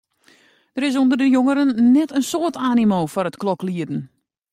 Der is ûnder de jongerein net in soad animo foar it kloklieden.